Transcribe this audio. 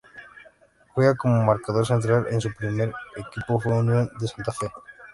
Juega como marcador central y su primer equipo fue Unión de Santa Fe.